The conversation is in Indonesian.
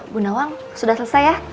bu nawang sudah selesai ya